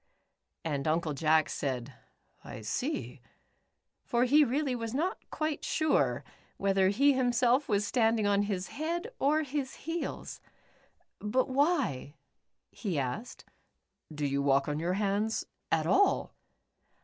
And Uncle Jack said, " I see," for he really was not quite sure, whether he himself was stand ing on his head or his heels. "But why," he asked, " do you walk on your hands at all